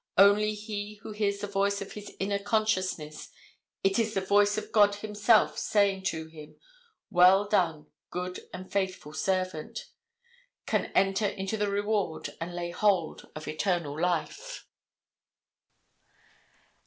Only he who hears the voice of his inner consciousness, it is the voice of God himself saying to him "Well done, good and faithful servant," can enter into the reward and lay hold of eternal life.